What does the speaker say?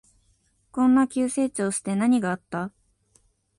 こんな急成長して何があった？